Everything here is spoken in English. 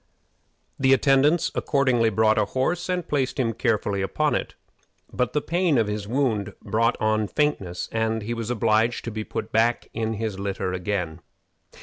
The attendants accordingly brought a horse and placed him carefully upon it; but the pain of his wound brought on faintness, and he was obliged to be put back in his litter again.